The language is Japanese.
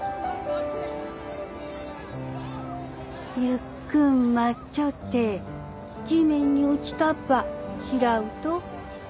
ゆっくっ待っちょって地面に落ちたっば拾うと。